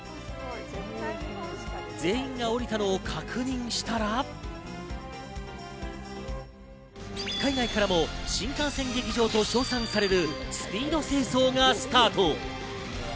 全員が降りたのを確認した後、海外からも新幹線劇場と称賛されるスピード清掃がスタート。